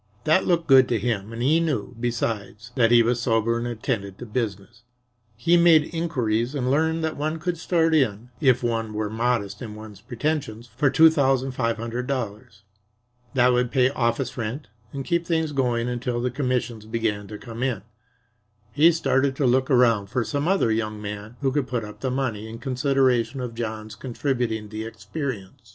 That looked good to him, and he knew, besides, that he was sober and attended to business. He made inquiries and learned that one could start in, if one were modest in one's pretensions, for two thousand five hundred dollars. That would pay office rent and keep things going until the commissions began to come in. He started to look around for some other young man who could put up the money in consideration of John's contributing the experience.